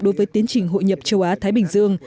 đối với tiến trình hội nhập châu á thái bình dương